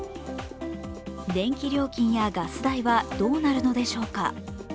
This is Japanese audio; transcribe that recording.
電気料金やガス代はどうなるのでしょうか。